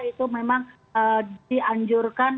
itu memang dianjurkan